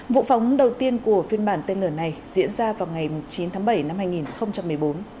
vụ phóng đầu tiên của phiên bản tên lửa này diễn ra vào ngày chín tháng bảy năm hai nghìn một mươi bốn